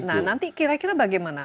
nah nanti kira kira bagaimana